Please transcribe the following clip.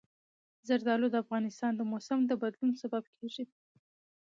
زردالو د افغانستان د موسم د بدلون سبب کېږي.